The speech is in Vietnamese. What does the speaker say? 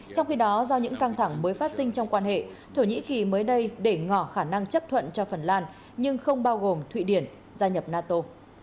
trong khi đó do những căng thẳng mới phát sinh trong quan hệ thổ nhĩ kỳ mới đây để ngỏ khả năng chấp thuận cho phần lan nhưng không bao gồm thụy điển gia nhập nato